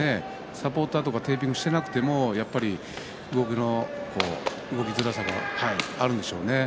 サポーターとかテーピングをしていなくても動きづらさがあるんでしょうね。